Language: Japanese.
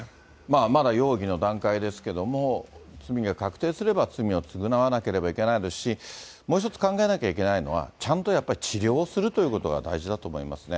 まだ容疑の段階ですけども、罪が確定すれば、罪を償わなければいけないですし、もう一つ考えなきゃいけないのは、ちゃんとやっぱり治療をするということが大事だと思いますね。